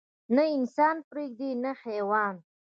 نه انسان پرېږدي نه حيوان.